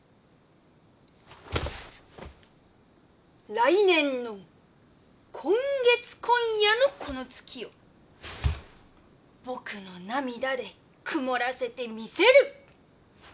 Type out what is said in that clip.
来年の今月今夜のこの月を僕の涙で曇らせてみせる！